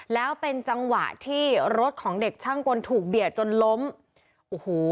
แล้วเป็นจังหวะที่รถของเด็กช่างกลถูกเบียดจนล้มโอ้โห